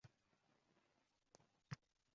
Menga ular qaysi partiyadan ekanligi muhim emas!